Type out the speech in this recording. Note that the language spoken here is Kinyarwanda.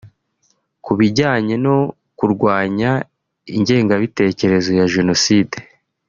Ku bijyanye no kurwanya ingengabitekerezo ya Jenoside